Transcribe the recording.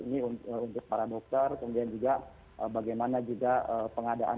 menangani covid sembilan belas ini untuk para dokter kemudian juga bagaimana juga pengadaan